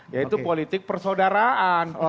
yaitu politik persaudaraan